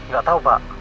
gak tau pak